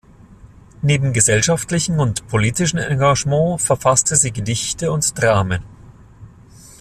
Neben gesellschaftlichem und politischem Engagement verfasste sie Gedichte und Dramen.